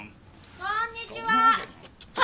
・こんにちは！